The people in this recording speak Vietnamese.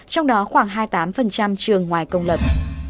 trong đó khoảng hai mươi tám trường ngoài công lập